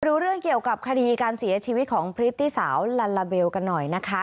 ดูเรื่องเกี่ยวกับคดีการเสียชีวิตของพริตตี้สาวลัลลาเบลกันหน่อยนะคะ